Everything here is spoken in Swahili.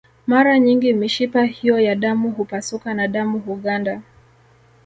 Mara nyingi mishipa hiyo ya damu hupasuka na damu huganda